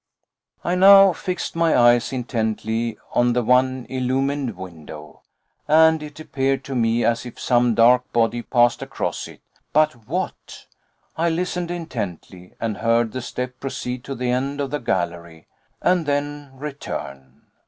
I now fixed my eyes intently on the one illumined window, and it appeared to me as if some dark body passed across it: but what? I listened intently, and heard the step proceed to the end of the gallery and then return.